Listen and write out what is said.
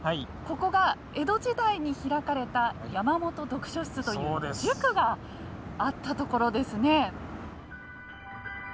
ここが江戸時代に開かれた山本読書室という塾があった所ですね。